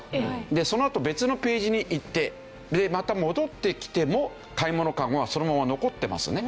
でそのあと別のページに行ってまた戻って来ても買い物かごはそのまま残ってますね。